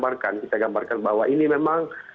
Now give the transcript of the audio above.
pertama yang saya gambarkan bahwa ini memang